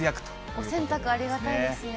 お洗濯、ありがたいですね。